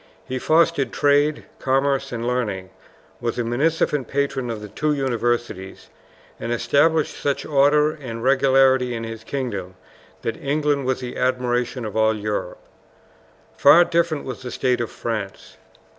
He fostered trade, commerce, and learning, was a munificent patron of the two universities, and established such order and regularity in his kingdom that England was the admiration of all Europe. Far different was the state of France.